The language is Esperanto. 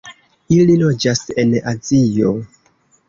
Ili loĝas en Azio.